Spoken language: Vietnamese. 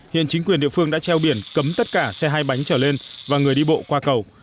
hiện chính quyền địa phương đã treo biển cấm tất cả xe hai bánh trở lên và người đi bộ qua cầu